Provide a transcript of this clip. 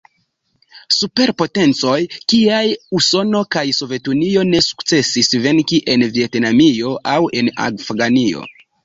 Superpotencoj kiaj Usono kaj Sovetunio ne sukcesis venki en Vjetnamio aŭ en Afganio.